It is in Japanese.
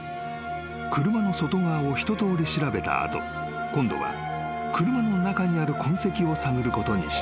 ［車の外側を一とおり調べた後今度は車の中にある痕跡を探ることにした］